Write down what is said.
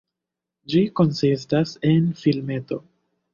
Ĝi konsistas en filmeto.